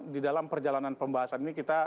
di dalam perjalanan pembahasan ini kita